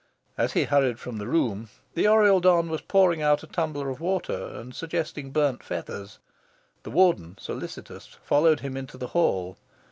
As he hurried from the room, the Oriel don was pouring out a tumbler of water and suggesting burnt feathers. The Warden, solicitous, followed him into the hall.